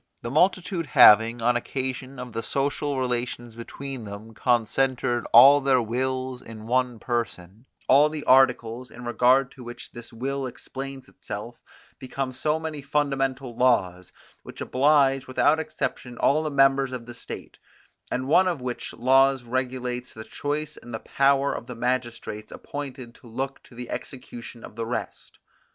The multitude having, on occasion of the social relations between them, concentered all their wills in one person, all the articles, in regard to which this will explains itself, become so many fundamental laws, which oblige without exception all the members of the state, and one of which laws regulates the choice and the power of the magistrates appointed to look to the execution of the rest.